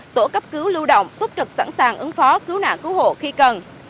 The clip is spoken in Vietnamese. tổ cấp cứu lưu động túc trực sẵn sàng ứng phó cứu nạn cứu hộ khi cần